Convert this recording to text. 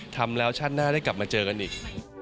ทำแล้วชาติหน้าได้กลับมาเจอกันอีก